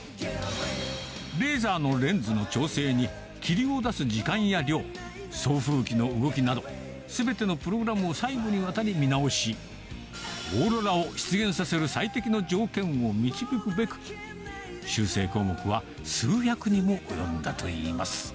レーザーのレンズの調整に、霧を出す時間や量、送風機の動きなど、すべてのプログラムを細部にわたり見直し、オーロラを出現させる最適の条件を導くべく、修正項目は数百にも及んだといいます。